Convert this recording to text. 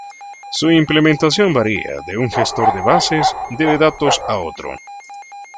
Su implementación varía de un gestor de bases de datos a otro.